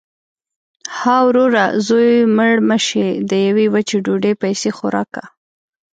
– ها وروره! زوی مړی مه شې. د یوې وچې ډوډۍ پیسې خو راکه.